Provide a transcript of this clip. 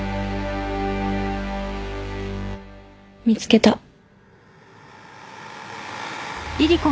見つけた。